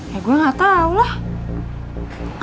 ya gue gak tau lah